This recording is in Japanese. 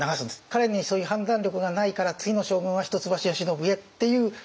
彼にそういう判断力がないから次の将軍は一橋慶喜へっていうための。